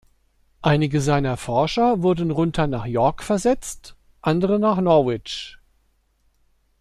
Einige seiner Forscher wurden runter nach York versetzt, andere nach Norwich.